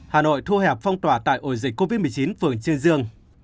hà nội thu hẹp phong tỏa tại ổ dịch covid một mươi chín phường trương dương